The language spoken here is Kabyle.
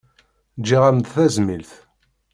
Ǧǧiɣ-am-d tazmilt.